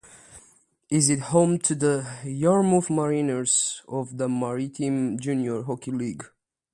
It is home to the Yarmouth Mariners of the Maritime Junior Hockey League.